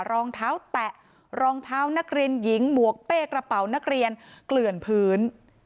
รองเท้าแตะรองเท้านักเรียนหญิงหมวกเป้กระเป๋านักเรียนเกลื่อนพื้น